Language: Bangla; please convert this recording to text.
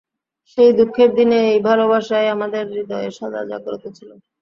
সেই দুঃখের দিনে এই ভালবাসাই আমাদের হৃদয়ে সদা জাগ্রত ছিল।